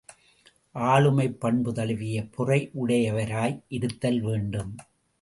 ஆளுமைப்பண்பு தழுவிய பொறையுடையவராய் இருத்தல் வேண்டும்.